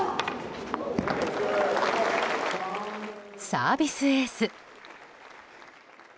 サービスエース！